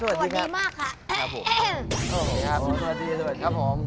สวัสดีมากค่ะครับผมสวัสดีครับสวัสดีครับผม